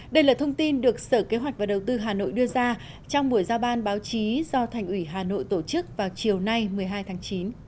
đây là thông tin được sở kế hoạch và đầu tư hà nội đưa ra trong buổi giao ban báo chí do thành ủy hà nội tổ chức vào chiều nay một mươi hai tháng chín